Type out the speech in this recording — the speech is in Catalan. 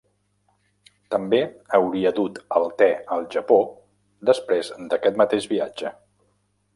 També hauria dut el te al Japó després d'aquest mateix viatge.